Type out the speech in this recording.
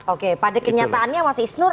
oke pada kenyataannya mas isnur